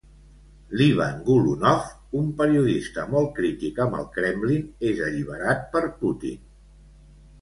L'Ivan Golunov, un periodista molt crític amb el Kremlin, és alliberat per Putin.